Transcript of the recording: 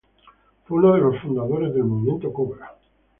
Fue uno de los fundadores del movimiento Cobra.